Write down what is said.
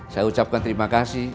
saya ucapkan terima kasih